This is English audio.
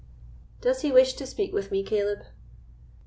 "Does he wish to speak with me, Caleb?"